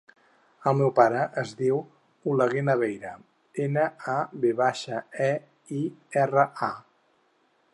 El meu pare es diu Oleguer Naveira: ena, a, ve baixa, e, i, erra, a.